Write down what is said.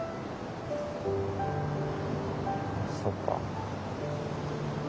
そっか。